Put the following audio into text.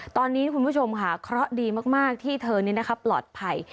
ตอนนี้คุณผู้ชมค่ะเคราะห์ดีมากที่เธอนี้ปลอดภัย